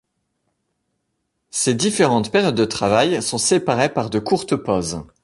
Ces différentes périodes de travail sont séparées par de courtes pauses.